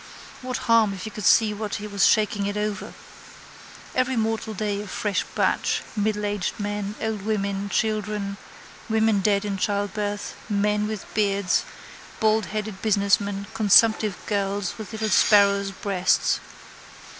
What harm if he could see what he was shaking it over. Every mortal day a fresh batch: middleaged men, old women, children, women dead in childbirth, men with beards, baldheaded businessmen, consumptive girls with little sparrows' breasts.